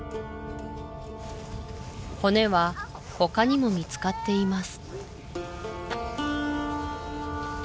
骨は他にも見つかっています